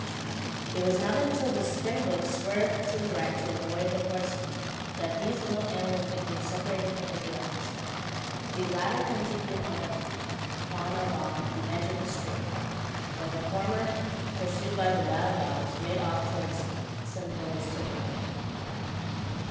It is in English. It was not until the springboks swerved to the right to avoid the horsemen, that these little animals became separated from the giraffes. The latter continued on along the edge of the stream, while the former, pursued by the wild dogs, made off towards some hills to the north.